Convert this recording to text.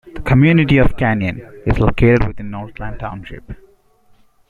The community of Canyon is located within Northland Township.